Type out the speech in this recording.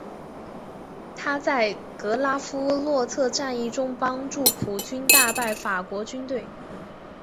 他在格拉夫洛特战役中帮助普军大败法国军队。